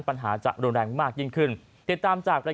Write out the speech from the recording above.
ปัญหาจะรุนแรงมากยิ่งขึ้นเดี๋ยวตามจาก